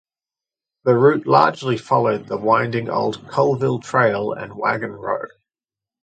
The route largely followed the winding old Colville trail and wagon road.